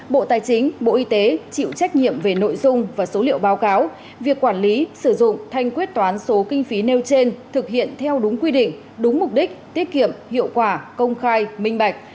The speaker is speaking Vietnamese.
bộ tài chính bộ y tế chịu trách nhiệm về nội dung và số liệu báo cáo việc quản lý sử dụng thanh quyết toán số kinh phí nêu trên thực hiện theo đúng quy định đúng mục đích tiết kiệm hiệu quả công khai minh bạch